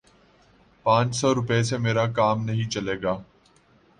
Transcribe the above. پانچ سو روپے سے میرا کام نہیں چلے گا